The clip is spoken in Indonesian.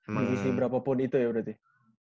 emang di sini berapapun itu ya berarti